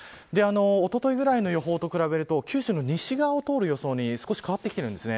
おとといぐらいの予報と比べると九州の西側を通る予想に少し変わってきているんです。